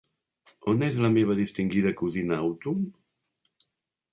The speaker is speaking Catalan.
On és la meva distingida cosina Autumn?